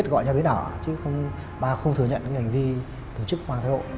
tổ chức mang thai hộ